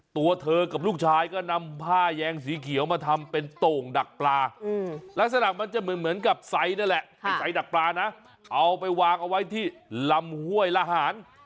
ตัวเธอกับลูกชายก็นำผ้าแยงสีเขียวมาทำเป็นโต่งดักปลาลักษณะมันจะเหมือนกับไซสนั่นแหละเป็นไซดักปลานะเอาไปวางเอาไว้ที่ลำห้วยละหาร